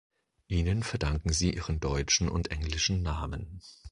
Ihnen verdanken sie ihren deutschen und englischen Namen.